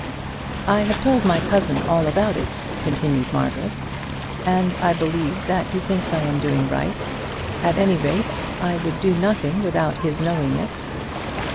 "I have told my cousin all about it," continued Margaret, "and I believe that he thinks I am doing right. At any rate, I would do nothing without his knowing it."